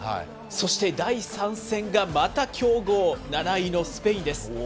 そして第３戦がまた強豪、７位のスペインです。